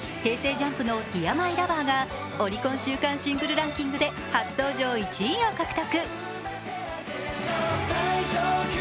ＪＵＭＰの「ＤＥＡＲＭＹＬＯＶＥＲ」がオリコン週間シングルランキングで初登場１位を獲得。